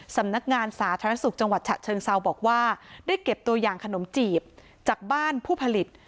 สำนักงานสาธารณสุขจังหวัดฉะเชิงเซาบอกว่าได้เก็บตัวอย่างขนมจีบจากบ้านผู้ผลิต